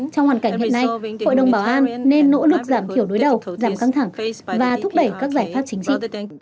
trong hoàn cảnh hiện nay hội đồng bảo an nên nỗ lực giảm thiểu đối đầu giảm căng thẳng và thúc đẩy các giải pháp chính trị